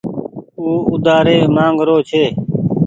او اوڍآري مآنگ رو ڇي۔